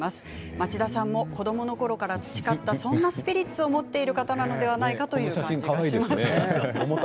町田さんも子どものころから培ったそんなスピリッツを持っている方なのではないかという感じがしました。